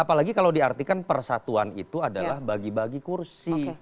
apalagi kalau diartikan persatuan itu adalah bagi bagi kursi